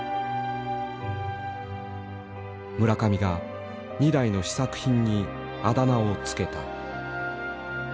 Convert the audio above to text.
村上が２台の試作品にあだ名を付けた。